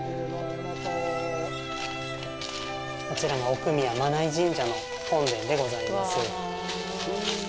こちらが奥宮、眞名井神社の本殿でございます。